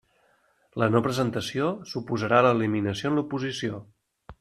La no presentació suposarà l'eliminació en l'oposició.